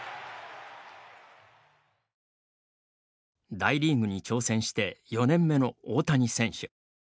大リーグに挑戦して４年目の大谷選手。